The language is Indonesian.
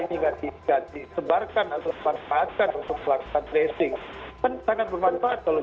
kan sangat bermanfaat kalau bisa ini digunakan